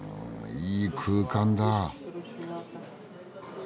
いい空間だ。